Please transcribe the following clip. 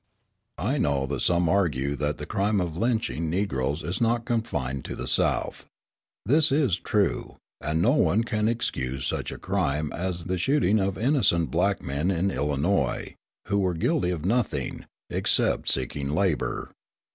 I know that some argue that the crime of lynching Negroes is not confined to the South. This is true; and no one can excuse such a crime as the shooting of innocent black men in Illinois, who were guilty of nothing, except seeking labour.